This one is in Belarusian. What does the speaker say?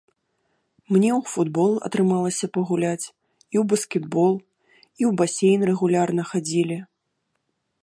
Мне і ў футбол атрымалася пагуляць, і ў баскетбол, у басейн рэгулярна хадзілі.